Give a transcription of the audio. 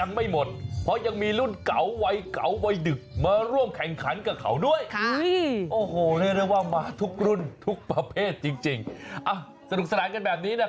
ในจังหวะของการยิงแต่ละรุ่นเด็กก็ดีน้อง